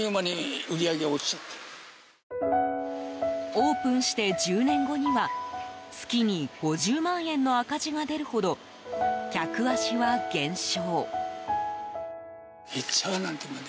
オープンして１０年後には月に５０万円の赤字が出るほど客足は減少。